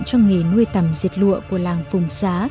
cho nghề nuôi tầm diệt lụa của làng phùng xá